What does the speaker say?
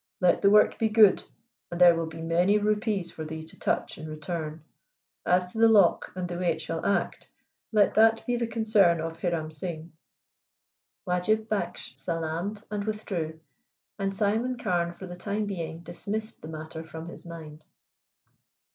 Let the work be good, and there will be many rupees for thee to touch in return. As to the lock and the way it shall act, let that be the concern of Hiram Singh." Wajib Baksli salaamed and withdrew, and Simon Carne for the time being dismissed the matter from his mind.